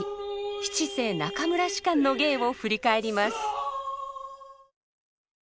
七世中村芝の芸を振り返ります。